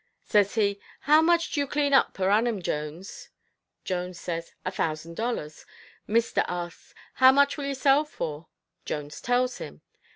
Says he, 'How much do you clean up per annum, Jones?' Jones says, 'A thousand dollars.' Mister asks, 'How much will you sell for?' Jones tells him.